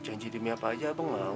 janji timnya apa aja abang mau